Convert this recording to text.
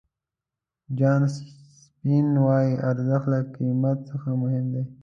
جان سپینس وایي ارزښت له قیمت څخه مهم دی.